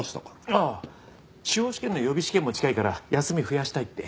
ああ司法試験の予備試験も近いから休み増やしたいって。